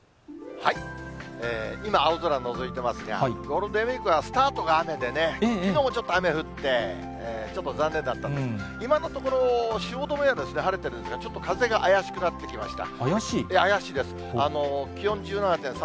今、青空のぞいてますが、ゴールデンウィークはスタートが雨でね、きのうもちょっと雨降って、ちょっと残念だったんですが、今のところ、汐留は晴れているんですが、ちょっと風が怪しくなってきました。